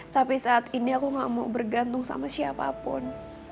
tapi saat ini aku gak mau bergantung sama siapapun